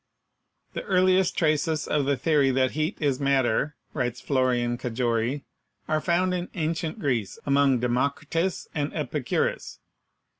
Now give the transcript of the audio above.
"The earliest traces of the theory that heat is matter," writes Florian Cajori, "are found in ancient Greece among Democritus and Epicurus.